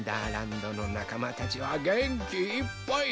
どのなかまたちはげんきいっぱい！